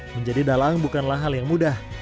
menjadi dalang bukanlah hal yang mudah